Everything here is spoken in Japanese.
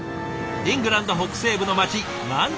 イングランド北西部の街マンチェスター。